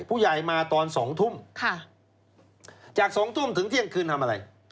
ผู้ใหญ่มาตอน๒ทุ่มจาก๒ทุ่มถึงเที่ยงคืนทำอะไร